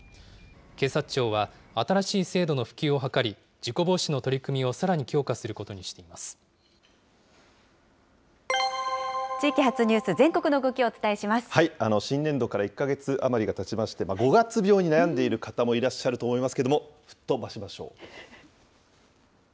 警察庁は新しい制度の普及を図り、事故防止の取り組みをさらに強化地域発ニュース、新年度から１か月余りがたちまして、五月病に悩んでる方もいらっしゃると思いますけれども、ふっ飛ばしましょう。